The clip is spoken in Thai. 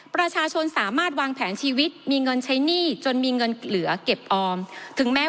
ประชาชนสามารถวางแผนชีวิตมีเงินใช้หนี้จนมีเงินเหลือเก็บออมถึงแม้